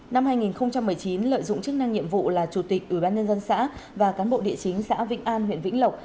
năm hai nghìn một mươi chín lợi dụng chức năng nhiệm vụ là chủ tịch ubnd xã và cán bộ địa chính xã vĩnh an huyện vĩnh lộc